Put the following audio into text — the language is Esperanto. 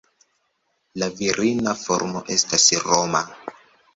La virina formo estas Roma.